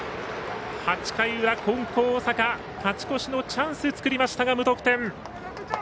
８回裏、金光大阪勝ち越しのチャンス作りましたが無得点。